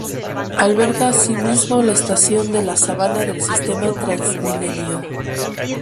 Alberga asimismo la estación De La Sabana del sistema Transmilenio.